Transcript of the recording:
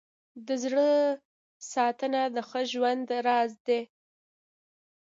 د زړه ساتنه د ښه ژوند راز دی.